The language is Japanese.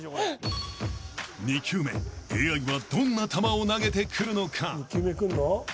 ［２球目ＡＩはどんな球を投げてくるのか？］